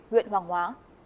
huyện hoàng hóa